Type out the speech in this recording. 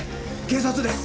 警察です。